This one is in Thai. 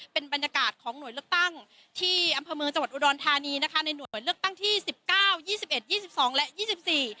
เป็นบรรยากาศของหน่วยเลือกตั้งที่อำเภอเมืองจังหวัดอุดรธานีนะคะในหน่วยเลือกตั้งที่สิบเก้ายี่สิบเอ็ดยี่สิบสองและยี่สิบสี่